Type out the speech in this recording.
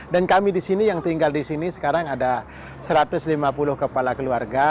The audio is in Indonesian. dan kami di sini yang tinggal di sini sekarang ada satu ratus lima puluh kepala keluarga